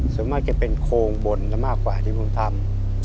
ส่วนมากจะเป็นโครงบนและมากกว่าที่ผมทำ